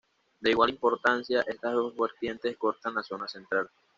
De igual importancia, estas dos vertientes cortan la zona central.